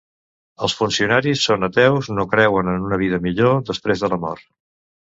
Els funcionaris són ateus: no creuen en una vida millor després de la mort.